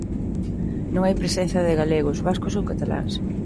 Non hai presenza de galegos, vascos ou cataláns.